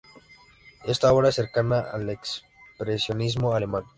Esta obra es cercana al expresionismo alemán.